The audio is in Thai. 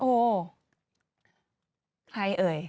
โอ้โหใครเอ่ย